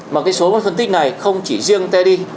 mà cái số phân tích này không chỉ riêng teddy